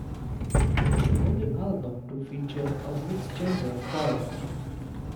It is the only album to feature a mixed-gender choir.